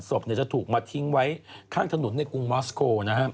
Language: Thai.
ศพนี่จะถูกมัดให้ทิ้งไว้ดูแลข้างถนนในเมืองกรุงวาทสโก